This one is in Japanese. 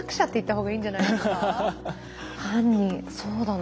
そうだな。